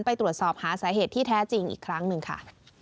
ไปตรวจสอบหาสาเหตุที่แท้จริงอีกครั้งหนึ่งค่ะ